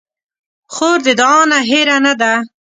خور د دعا نه هېره نه ده.